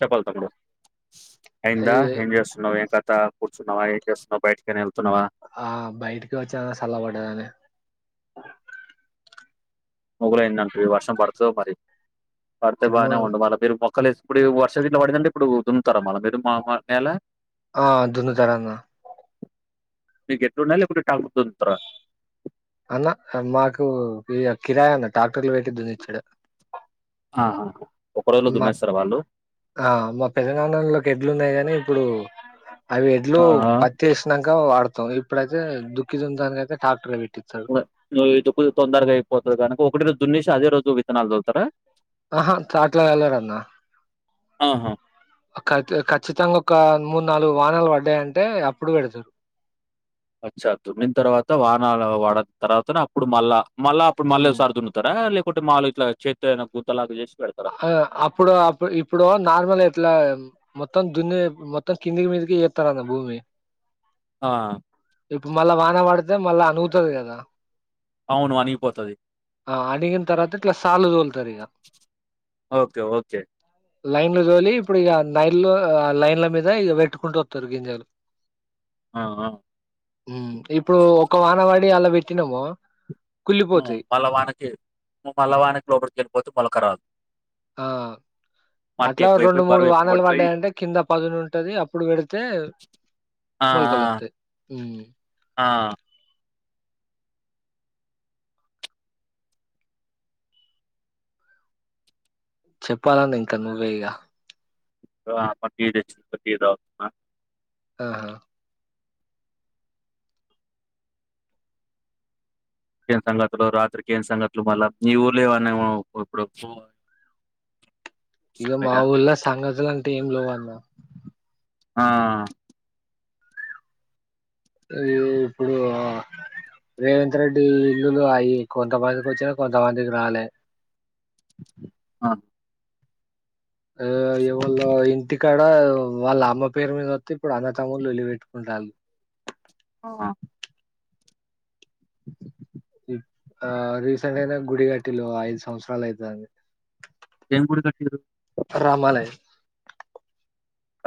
చెప్పాల తమ్ముడు ఈ అయిందా ఏం చేస్తున్నావు ఏంక త కూర్చున్నావ ఏం చేస్తున్నావ్ బైటకి ఏమైన ఎల్ ఆ బయటికి వచ్చాన్న సలపడ్డగానే మొగరైదంటిరి వర్షం పడుతదొ మరి పడితే ఏమో బానే ఉండు మల మీరు మోక్ కలిసి ఇప్పుడు వర్షం గిట్ల పడిందంటె ఇప్పుడు దున్నుతారా మల మీరు మా నేల ఆ దున్ను తారన్న అంటే గేట్టునాయ్ లేకుంటే ట్రాక్టర్ తో దుప్తార అన్న మాకు ఈ కిరాయా అన్న ట్రాక్టర్లు పెట్టి దున్నిచ్చుడే ఆహా ఒక రోజులో మా దున్నేస్తారా వాళ్ళు ఆ మా పెదనాన్నోలకి ఎడ్లు ఉన్నాయి గానీ ఇప్పుడు అవి ఎడ్లు ఆహా పత్తి వేసినంక వాడతాం ఇప్పుడైతే దుక్కితందానిక అయితే ట్రాక్టరే పెట్టిత్తారు నువ్ ఇటు పోయ్ తొందరగా అయిపోతది కనుక ఒకటి ర దున్నేసి అదే రోజు విత్తనాలు జల్లుతారా ఆహా కాట్ల వెళ్ళారన్న ఆహా ఖచ్చితంగా ఒక మూడు నాలుగు వానాలు పడ్డాయంటే అప్పుడు పెడతారు ఆచ్చ తుడిన తర్వాత వాహనలు వాడ తర్వాత అప్పుడు మళ్ళా మళ్ళా అప్పుడు మళ్ళీ ఉమ్ సర్దున్నంటారా లేకుంటే మాళు ఇట్లా చేత్యినా గుత్తలాగా చేసి పెడతారా ఆ అప్పుడు అప్పు ఇప్పుడు నార్మల్ ఎట్లా మత్తం దున్న మత్తొం కిందకి మిందకి ఇర్తార నా భూమి ఆ ఇప్పుడు మళ్ళా వాన పడితే మళ్ళా అనుగుతుది కదా అవును అనిగిపోతది. ఆ అడిగిన తర్వాత ఇట్లా సాలు తోలుతారు ఇక ఓకే ఓకే లైన్లు చోలి ఇప్పుడు ఇక లైన్ లో లైన్ల మీద ఇ పెట్టుకుంటూ వస్తారు గింజాలు ఆ ఆా ఇప్పుడు ఒక వానవాడి అలా పెట్టినాముో మల్లవానికి మల్లవానికి లోపలికి వెళ్ళిపోతే మొలకరాదు ఆ అట్లా రెండు మూడు బరువు ఎక్కువ వానలు పడిపోయి పడ్డాయంటే కింద పదును ఉంటది అప్పుడు పెడితే ఆ! మల్ కలర్తే ఆ! ఆ చెప్పాలండి ఇంకా నువ్వే ఇగా పటి [unintelligible] ఆహా సంగతులు రాత్రికిన సంగతులు మళ్ళా మీ ఊర్లో ఏవన్నా ఇప్పుడు ఇక ఉంటాయా? మాఊల్లా సంగతులు అంటే ఏం లో అన్నా ఆ అయ్యో ఇప్పుడు రేవంత్ రెడ్డి ఇల్లులు అయ కొంతమందికి వచ్చిన కొంతమందికి రాలే అ ఆ ఎవాళ ఇంటికాడ వాళ్ళ అమ్మ పేరు మీద వస్తే ఇప్పుడు అన్నతమ్ములు వెళ్లిి పెెట్టుకుంటారు ఆ ఆ రీసెంట్ అయినా గుడి గట్టటిలో ఐదు సంవత్సరాలు అవుతుది టేంకడి కట్టరు రామాలయం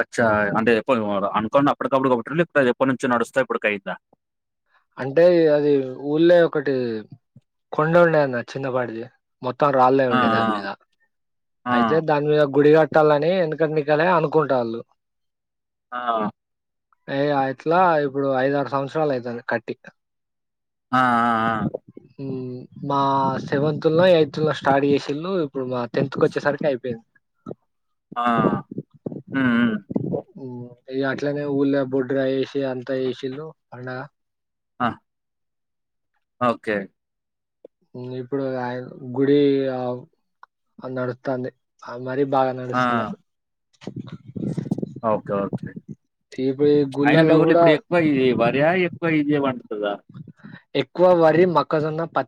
అచ్చ అంటే ఎప్పు అనుకోండా అప్పటికప్పుడుకిబు ఇక్కడ ఎప్పటి నుంచో నడుస్తాయి ఇప్పుడుకైంద అంటే అది ఊళ్ళ ఒకటి కొండ ఉండయిన్న చిన్నపాటిది మొత్తం రాళ్ళే ఆ! ఉండడి దాని మీీద ఆ! అయితే దాని మీద గుడిగా ట్టాలని ఎందుకంటే ఇక్కడ అనుకుంటా వాళ్ళు ఆ అ ఇట్లా ఇప్పుడు ఐద ఆరు సంవత్సరాలు అయితుంది కట్టి ఆ ఆ మా సెవెంత్ లో ఎయిత్ లో స్టార్ట్ చేసళు ఇప్పుడు మా తకొచ్చే సార్కే అయిపోయింది ఆమ్ ఇ అట్లనే ఊళ బొడ్రా వేసి అంతా వసిళు అండగా ఆ ఓకే ఇప్పుడు ఆయ గుడి నడుస్తుంది వారి బాగా ఆ! నడుస్తులే అయిన మీ ఊర్ళ గూడా ఇప్పుడు ఎక్కువ ఇదిే వర్యా ఎక్కువ ఇదిే వంటుందా ఎక్కువ వరి మక్కజన్న ప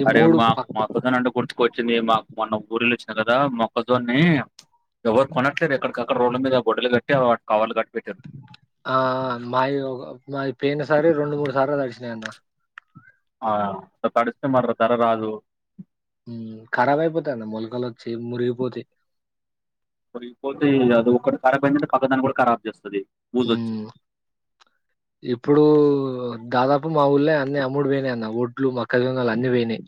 ఈ అరే మా పక్ మొక్కజొన్న అంటే గుర్తు అదే మా మొన్న ఊరు వెళ్లి వచ్చినా కదా మొక్కజొని ఎవరు కొనట్లేదు ఎక్కడికక్కడ రోడ్ల మీద గొడ్డలు కట్టి వాటి కావాలు కట్టి పెట్టారు. ఆ మాయి మావి పయిన సర రెండు మూడు సార్లుడిచినాయి అన్న అట్లా తాడిస్తే వారి ద్వారా రాదు ఖరాబ్ అయిపోతుంది అన్నా మొలకలు వచ్చి మురికి పోతాయి మరిపోతే అది ఒక్కటి ఖరాబ్ అయిందంటే పక్కదాన్ని కూడా ఖరాబ్ చేస్తుంది బుజు వచ్చి హ్మ్. ఇప్పుడు దాదాపు మా ఊళ్ళ అని అమ్ముడు పోయినాయి అన్న ఒ ట్లు మొక్కజొన్నలు అని పోయినాయి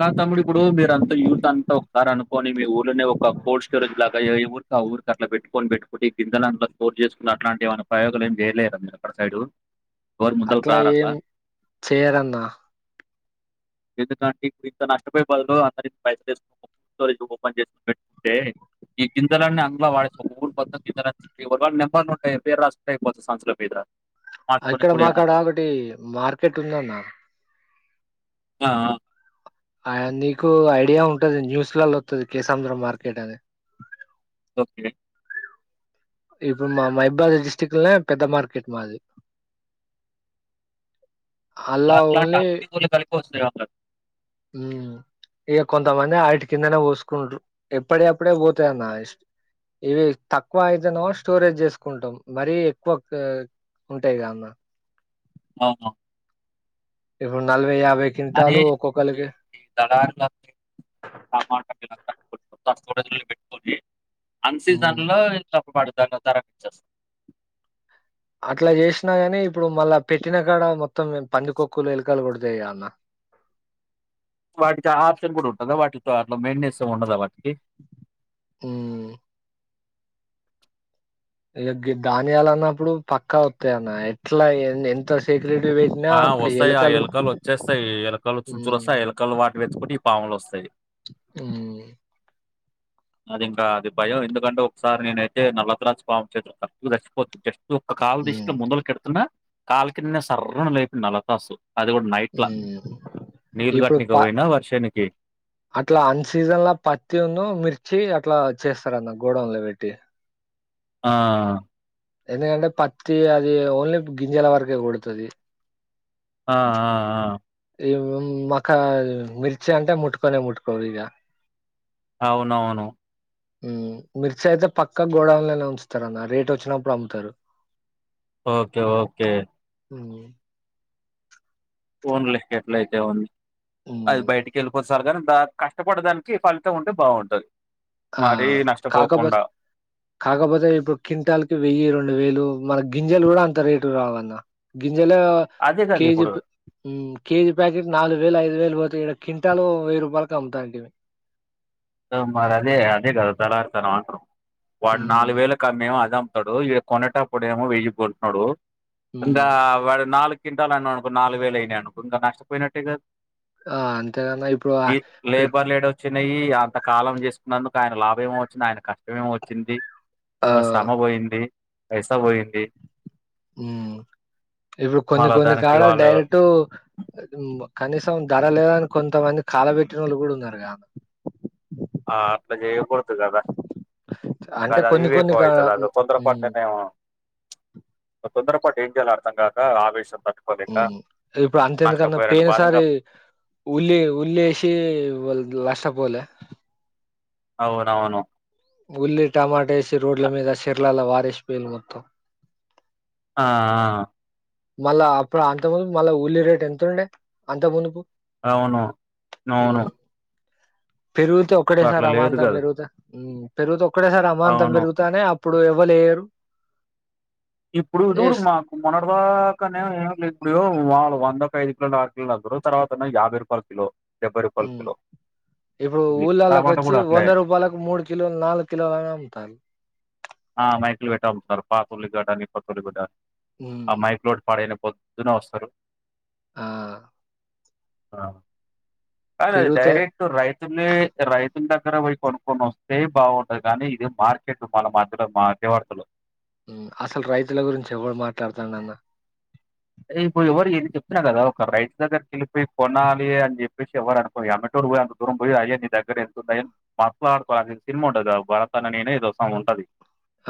కాదు తమ్ముడు ఇప్పుడు మీరంతా యూత్ అంతా ఒక కారు అనుకోని మీ ఊర్లోనే ఒక కోల్డ్ స్టోరేజ్ లాగా ఏ ఊరి ఊరుకి అలా పెట్టుొని పెట్టుకు గింద దాంట్లో స్టోర్ చేసుకున్న అలాంటి ఎం అయినా ప్రయోగాలు ఏం చేయలేదా మీరు అక్కడ సైడు ఎవరు ముందలకి అట్లా రారట్లా? ఏం చేయరన్నా ఎందుకంటే ఇ ఇంత నష్టపోయ బదులు అంద పైసలు తీసుకో ఓపెన్ చేసు పెట్టుకుంటే ఈ గింజలన్నీ అంగ్లా వాడే [unintelligible] నెంబర్ లు ఉంటాయి పేరు రాసుకుంటూ అయిపోతాది సంచుల మీద మార్చుకొని అక్కడ కూడా మాక్కడ ఏముండదు కాబటి మార్కెట్ ఉంది అన్న ఆ ఆ నీకు ఐడియా ఉంటది న్యూస్లలో వస్తుది కేశాంద్రం మార్కెట్ అని ఓకే ఇప్పుడు మా మహబద్ డిస్టక్ట్ పెద్ద మార్కెట్ మా అది [unintelligible] వస్తాయి [unintelligible] మ్ ఇక కొంతమంది వాటి కిందనే పోసుకుంటారు ఎప్పుడే అప్పుడే పోతాయిన్న ఇష్ట ఇవి తక్కువ అయితేనో స్టోరేజ్ చేసుకుంటాం మరీ ఎక్కువ ఉంటాయిగా అన్నా అవును ఇప్పుడు నలభై యాభై అదే కింటాలు ఒక్కొక్కలికి దడా టమాటపిలా పెట్టుకొని అన్ సీజన్ మ్మ్ లో తప్పుబడు ద తరచ్చేస్తా అట్లా చేసినా నీ ఇప్పుడు మళ్ళా పెట్టిన కాడ మొత్తం పంది కొకులు ఎలకలు కొడతాయి అన్న వాటికి ఆప్షన్ కూడా ఉంటుదా వాటితో అట్లో మెయిస్ ఉండదా వాటి మ్ ధాన్యాలు అన్నప్పుడు పక్కా వతాయ అన్న ఎట్లా ఎంత సే ఆ వస్తాయి ఆ ఎలకాలు వచ్చేస్తాయి ఎలకాలు చుచూలు మ్మ్ వస్తాయి ఎలకాయలు వాటి వెతుకుంటే ఈ పాములు వస్తాయి అ అది ఇంకా అది భయం ఎందుకంటే ఒకసారి నేనైతే నల్లకరాజు స్వామక్షేత్రంచిపోచ్చ ఒక్క కాలు తీసుకు మ్మ్ ముందలు కెడుతున్నా కాళ్ కి నిన్న సర్ర లేపోంది అలతాసు అది కూడా నైట్ల మ్మ్ నీళ్లు ఇప్పుడు గట్క ప పోయినా వర్షానికి అట్లా అన్ సీజన్ ల పత్తిన్న మిర్చి అట్లా చేస్తారన్న గోడవలు పెట్టి ఆ ఎందుకంటే పత్తి అది ఓన్లీ గింజల వరకే కొడుతది. ఆ ఆ ఆ ఈ ముం మక్క మిర్చి అంటే ముట్టుకొనే ముట్టుకోరు ఇక అవునవును మ్ మిర్చి అయితే పక్కా గోడవనే ఉంచుతార అన్న రేటు వచ్చినప్పుడు అమ్ముతారు ఓకే ఓకే అవును ఓన్లే ఎట్ల అయితే ఉంది అది మ్మ్ బయటికి వెళ్ళిపోచ్చారు కానీ ద కష్టపడదానికి ఫలితం ఉంటే బావుంటది. కా మరీ కాకబత్ నష్టపోకుండా. కాకపోతే ఇప్పుడు కింటాల కి వెయ్యి రెండు వేలు మన గింజలు కూడా అంత రేటు రావన్న గిం జలు అదే కేజీ గదిప్పుడు. మ్ కేజీ పాకెట్ నాలుగు వేలు, ఐదు వేలు పోతాయి ఇడ క్వింటాలో వెయ్యి రూపాయలకి అమ్ముతా అండి దమ్ మరి అదే అదే కదా దలారుతనం అంటరు. వాడు నాలుగు మ్ వేల కమ్మె అదా టడు ఇ కొనేటప్పుడు ఏమో వెయికొంటడు ఇందా మ్ వాడు నాలు కింటాల అన్నావ్ అనుకో నాలుగు వేలు అయినా అనుకో ఇంక నష్టపోయినట్టేగా. ఆ అంతేగాన్నా ఇప్పుడు ఆ టిఫ్ నయి అంత కాలం చేసుకున్నందుకు ఆయన లాభం ఏమో వచ్చింది. ఆయన కష్టం ఏమమి వచ్చింది. ఆ వ శమ పోయింది, వైసా పోయింది. ఉమ్ ఇప్పుడు కొన్ని మళ్ళ కొన్ని దానికి కాలాలు వాళ్ళు డైరెక్ట్ కనీసం ధర లేదని కొంతమంది కాలబెట్టిన వాళ్ళు కూడా ఉన్నారు గా ఆ అట్లా చెయ్యకూడదు గదా దా అంటే కొన్ని కొన్ని అవివేకం కాడ అయితది అదో తొందర పాటు మ్ నిర్ణయం. తొందరపాటు ఏంజేయల అర్థం కాక ఆవేశం ద ఉహు ఇప్పుడు అంతెందుకన్నా పెయిన బాధ ఇంకా సారి ఉల్లి ఉల్లేసి వాళ్ళు నష్టపోలే అవునవును ఉల్లి, టమాట వేసి రోడ్ల మీద సిర్లాల వారిష్ పెయలు మొత్తం అ ఆ మళ్ళా అప్పుడు అంత ముందు మళ్ళా ఉల్లి రేట్ ఎంత ఉండే అంత ముందుపు అవును నవును పెరుగుతూ ఒక్కడే సారి అమాంతం కదా పెరుగుత పెరుగుతే ఒక్కటే సారి అమాంతం అవును పెరుగుతానే ఇప్పుడు ఎవ్వలేయరు ఇప్పుడు చూడు వేస్ మాకు మొన్నడుదా క నే ఇప్పుడు వాళు వంద ఒక ఐదు కిలోలు, ఆరు కిలుగ్రు తర్వాతన్న యాభై రూపాయలు కిలో డెబ్బై రూపాయలు కిలో ఇప్పుడు ఉల్లి ఊళ్ళళ్ళకి టమాటా వచ్చి కూడా అట్లే వంద రూపాయలకు మూడు కిలోలు, నాలుగు కిలోలునే అమ్ముతారు. ఆ మైకులు పెట్టి అమ్ముతారు పాత ఉల్లి గడ్డ అని, కొత్త ఉల్లి గడ్డ అని ఉమ్. మైక్లు లోటి పాడనా పోద్ ద్దున వస్తారు ఆ అ అదే పెరుగుతే డైరెక్ట్ రైట్ తులే రైతుల దగ్గర వై కొనుక్కొని వస్తే బావుంటది. కానీ ఇది మార్కెట్ మళ్ళ మాత్రమే ఏ వార్తల్లో మ్ అసలు రైతుల గురించి ఎవడు మాట్లాడుతాండన్న ఇప్పుడు ఎవరు ఏన్ని చెప్తున్నా కదా ఒక రైతు దగ్గరికి వెళ్ియి కొనాలి అని చెప్పేసి ఎవరు అనుకోరు అమ్మెటోడు పో అంత దూరం పోయి అయీ దగ్గర వెళ్తుాయని మాట్లాడుతు అ సినిమా ఉండది భరతన ననే ఇదోసం ఉంటది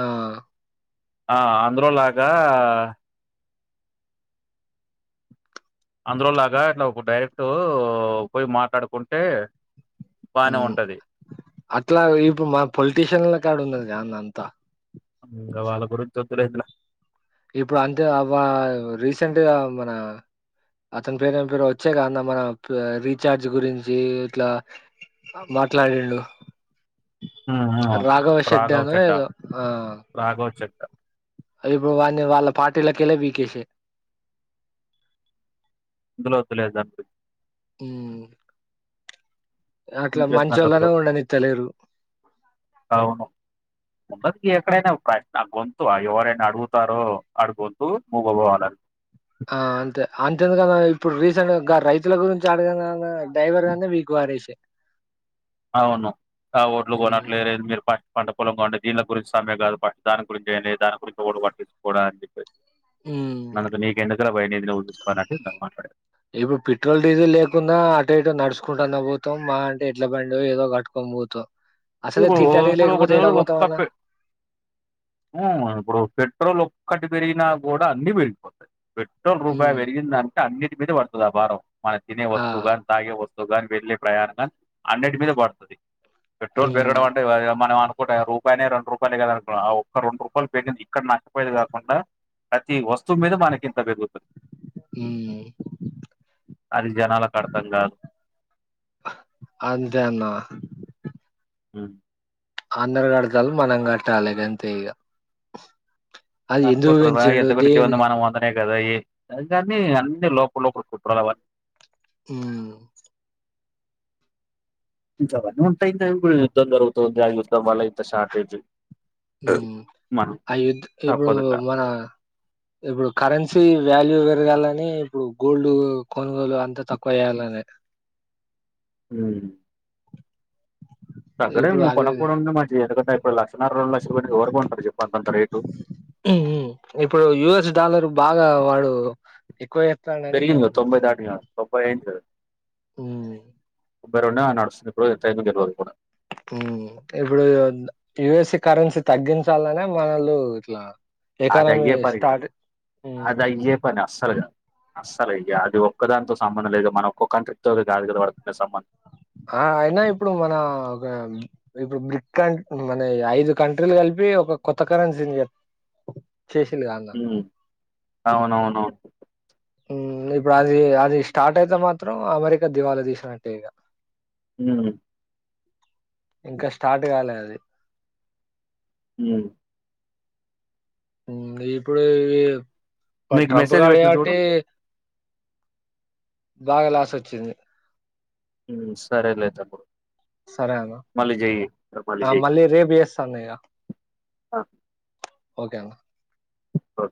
ఆ ఆ అందులోలాగా అందులోలాగా ఇట్లా డైరెక్ట్ పోయి మాట్లాడుకుంటే బానే మ్ ఉంటది అట్లా ఇప్పుడు మా పొలిటీషియన్ల కా ఉన్నదికా అన్న అంతా ఇంగ వాళ్ళ గురించి వద్దులే ఇట్లా ఇప్పుడు అంతే వ రీసెంట్గా మన అతని పేరు ఎం పేరో వచ్చేకా అ న్న మన ప్ రీచార్జ్ గురించి ఇట్లా మ మాట్లాడిండు రాఘవశెట్టి రాఘవ అనో చెడ్డ ఏదో ఆ రాఘవ చెడ్డ ఇప్పుడు వాన్ని వాళ్ళ పార్టీలకేలే పీకేసే ఇందులో వద్దులే దం మ్ అట్లా ఇంకేం సంగతులు మంచిోలనే ఉండ నిత్తలేరు అవును ఉంటది తి ఎక్కడైనా ప్రశ్న గొంతు ఎవరైనా అడుగుతారో అడి గొంతు ముగబోవాలే అం ఆ అంతే అంతేందుకన్న ఇప్పుడు రీసెంట్గా గా రైతుల గురించి అడగంగా డ్రైవర్ గానే పిక్ పడేషే అవును ఆ ఓడ్లు మ్ కొనట్లేదు మీరు ప పంట పొలం ఉంటే దీల్ల గురించి సమ్మె కాదు దానికికుడా చేయండి దాని గురించి ఎవ్వడు పట్టిచ్చుకోడ అని చెప్పేసి మ్ నడుకు నీకు ఎందుకూర బై నీది నువ్వు చూసుకో అన్నట్టు ఇద్దర్ మాట్లాడిర్ ఇప్పుడు పెట్రోల్ డీజిల్ లేకున్న అటో ఇటుో నడుచుకుంటా అన్న పోోతాం మా అంటే ఎడ్ల బండో ఏదో కట్టుకోని పోతాం అసలే ఇప్పుడు తింటానికి లేకపోతే ఏడ [unintelligible] ఒక పోతాం అన్న తప్పే మ్ ఇప్పుడు పెట్రోల్ ఒక్కటి పెరిగిన కూడా అన్ని పెరిగిపోతాయి పెట్రోల్ రూపాయి మ్ పెరిగిందంటే అన్నిటి మీద పడుతది ఆ భారం మనం తినే ఆ వస్తువు కాని తాగే వస్తువు కాని వెళ్ళే ప్రయాణం కాని అన్నిటి మీద పడుతది పెట్రోల్ పెరుగడం మ్ అంటే మనం ఒకటి రూపాయనే రెండు రూపాయలే కద అనుకూన్న ఆ ఒక్క రెండు రూపాయలు పెట్టింది ఇక్కడ నష్టపోయేది కాకుండా ప్రతి వస్తువు మీద మనకింత పేరుగుతది మ్ అది జనాలకర్థం కాదు అంతే అన్న మ్ అందరు కడుతాళ్ళు మనం కట్టాలే గంతే ఇగ అది ఎందుకు అకుంట్రూ పెంచిండు ఎంత పెరిగితే ఏముంది దేనికి మనం వందనే కదా కాని అన్ని అన్ని లోపలపల కుట్రాలవన్నీ మ్ ఇంకా అవన్నీ ఉంటయి యుద్ధం జరుగుతుంది ఆ యుద్ధం వాళ్ళ ఇంత శార్టేజ్ మ్ యుద్ ఆ యుద్ధ ఇప్పుడు తప్పదు ఇంకా మన ఇప్పుడు కరెన్సీ వాల్యూ పెరగాలని ఇప్పుడు గోల్డ్ కొనుగోలు అంతా తక్కువ చేయాలనే మ్ తగ్గడం ఇప్పుడు ఎం లే అది కొనకపోవడామే మంచిది ఎందుకంటే ఇప్పుడు లక్షన్నర రెండు లక్షలు పెట్టి ఎవరు కొంటారు చెప్పు అంతంత రేటు మ్ మ్ఇప్పుడు యయుఎస్ డాలర్ బాగా వాడు ఎక్కువ చెప్ పెరిగిందిగ తొంభై తాటింగ తొబ్భై ఐద్ మ్మ్ ఉబేరున్నా నడుస్తుంది [unintelligible] కూడా ఉం ఇప్పుడు యుఎస్సి కరెన్సీ తగ్గించాలనే మనోళ్ళు ఇట్లా ఎకానమీ అదయ్యే పనిగాద్ స్టార్ట్ మ్మ్ అదయ్యే పని అస్సల్ గాద్ అస్సలు ఇగ అది ఒక్కదానితో సంబంధం లేదు మన ఒక్క కంట్రీ తో అదికాదు కదా వర్కక సంబ ఆ అయినా ఇప్పుడు మన ఒక ఇప్పుడు మిల్క్ క మన ఐదు కంట్రీలు కలిపి ఒక కొత్త కరెన్సీన్ జెప్ [inaudible] ఉం అవునవును ఉమ్ ఇప్పుడది అది స్టార్ట్ అయితే మాత్రం అమెరికా దివళా తీసినట్టే ఇగ ఉమ్ ఇంకా స్టార్ట్ కాలే అది ఉమ్ ఉమ్ ఇప్పుడు నీకు ట్రంప్ మెసేజ్ గాడు పెట్టిన చూడు చెబట్టి బాగా లాస్చ్చింది ఉమ్ సరే లే తమ్ముడు సరే అన్న మళ్ళీ చెయ్యి ఆ మళ్ళీ రేప్ చేస్తాన్న ఇగ అ ఓకే అన్నా ఓకే